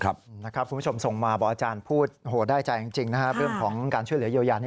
คุณผู้ชมส่งมาบอกอาจารย์พูดโหดได้ใจเรื่องการช่วยเหลือเยาวยาน